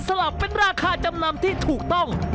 ลับเป็นราคาจำนำที่ถูกต้อง